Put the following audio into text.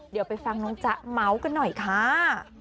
เดี๋ยวไปฟังน้องจ๊ะเมาส์กันหน่อยค่ะ